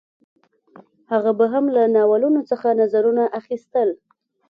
هغه به هم له ناولونو څخه نظرونه اخیستل